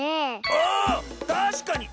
あたしかに！